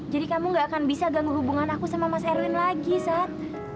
kamu gak akan bisa ganggu hubungan aku sama mas erwin lagi saat